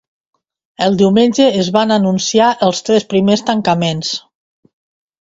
El diumenge es van anunciar els tres primers tancaments.